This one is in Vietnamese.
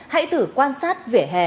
hãy thử quan sát vỉa hè